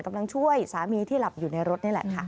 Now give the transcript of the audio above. กำลังช่วยสามีที่หลับอยู่ในรถนี่แหละค่ะ